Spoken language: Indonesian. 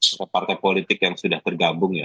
setiap partai politik yang sudah tergabung ya